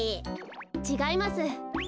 ちがいます。